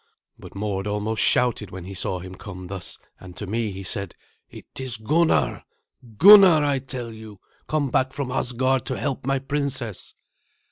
But Mord almost shouted when he saw him come thus, and to me he said, "It is Gunnar Gunnar, I tell you come back from Asgard to help my princess."